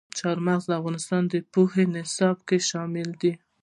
چار مغز د افغانستان د پوهنې په نصاب کې شامل دي.